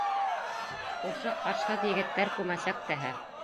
Ошо ҡашһыҙ егеттәр күмәсәк тәһә.